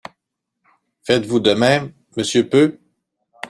Faites-vous de même, monsieur Peu ?